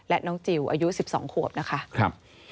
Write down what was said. อายุ๑๒ขวบนะคะ